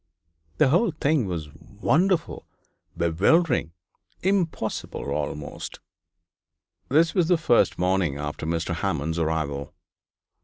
The whole thing was wonderful, bewildering, impossible almost. This was on the first morning after Mr. Hammond's arrival.